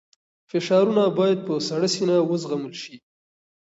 فشارونه باید په سړه سینه وزغمل شي.